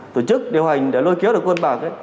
tổ chức điều hành để lôi kéo được quân bạc